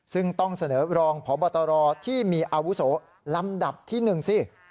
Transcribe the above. ซึ่งต้องเสนอรองพบตรที่มีอาวุโสลำดับที่๑สิ